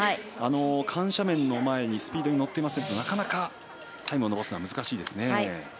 緩斜面の前でスピードに乗っていませんとなかなかタイムを伸ばすのは難しいですね。